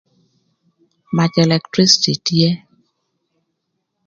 Mac elektricity tye.